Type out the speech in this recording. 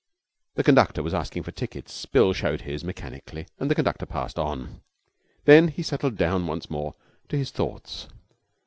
The conductor was asking for tickets. Bill showed his mechanically, and the conductor passed on. Then he settled down once more to his thoughts.